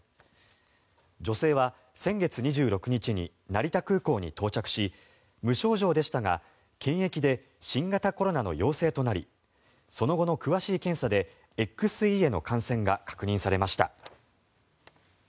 女性は先月２６日に成田空港に到着し無症状でしたが検疫で新型コロナの陽性となりその後の詳しい検査でＸＥへの感染が確認されました。